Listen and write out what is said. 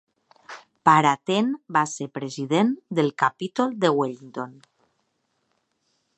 Paratene va ser president del capítol de Wellington.